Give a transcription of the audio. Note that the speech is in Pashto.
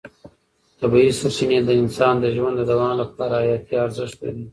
طبیعي سرچینې د انسان د ژوند د دوام لپاره حیاتي ارزښت لري.